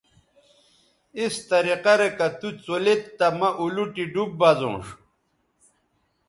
اس طریقہ رے کہ تُوڅولید تہ مہ اولوٹی ڈوب بزونݜ